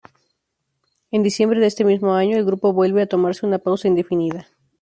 En diciembre de este mismo año, el grupo vuelve a tomarse una pausa indefinida.